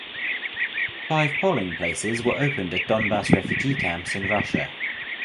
Five polling places were opened at Donbas refugee camps in Russia.